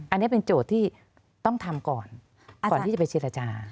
อันนี้เป็นโจทย์ที่ต้องทำก่อนก่อนที่จะไปเจรจา